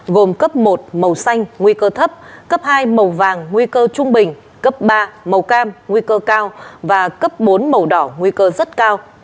gồm cấp một màu xanh nguy cơ thấp cấp hai màu vàng nguy cơ trung bình cấp ba màu cam nguy cơ cao và cấp bốn màu đỏ nguy cơ rất cao